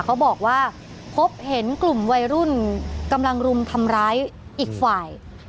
เขาบอกว่าพบเห็นกลุ่มวัยรุ่นกำลังรุมทำร้ายอีกฝ่าย